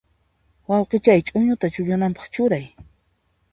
Wayqichay, ch'uñuta chullunanpaq churay.